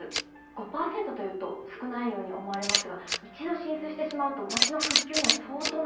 ５％というと少ないように思われますが一度浸水してしまうと町の復旧には相当な時間とお金がかかります。